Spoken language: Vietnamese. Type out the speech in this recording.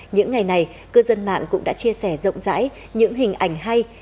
những ngày này cư dân mạng cũng đã chia sẻ rộng rãi những hình ảnh hay